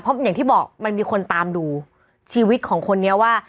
เพราะอย่างที่บอกมันมีคนตามดูชีวิตของคนนี้ว่า